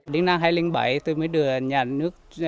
đến năm hai nghìn bảy tôi mới được nhà nước